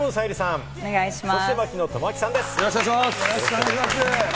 よろしくお願いします。